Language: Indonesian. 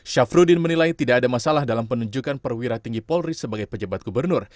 syafruddin menilai tidak ada masalah dalam penunjukan perwira tinggi polri sebagai pejabat gubernur